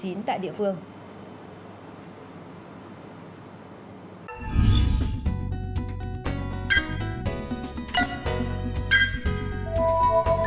hãy đăng ký kênh để ủng hộ kênh của mình nhé